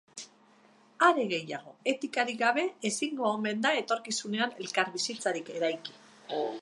Are gehiago, etikarik gabe ezingo omen da etorkizunean elkarbizitzarik eraiki.